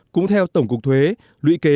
cũng theo tổng cục thuế